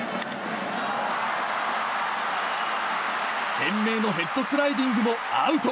懸命のヘッドスライディングもアウト！